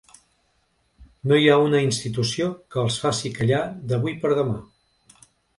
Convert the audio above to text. No hi ha una institució que els faci callar d’avui per demà.